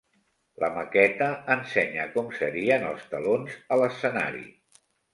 La maqueta ensenya com serien els telons a l'escenari.